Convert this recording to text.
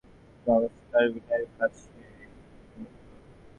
তিনি অগাস্টিন কারভিনের কাছে কৃতজ্ঞতাবদ্ধ।